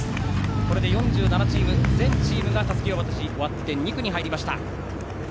これで４７チーム全チームがたすきを渡し終わって２区に入りました。